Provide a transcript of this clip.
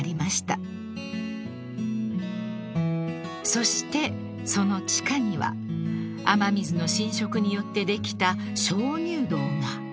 ［そしてその地下には雨水の浸食によってできた鍾乳洞が］